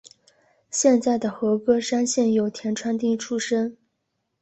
现在的和歌山县有田川町出身。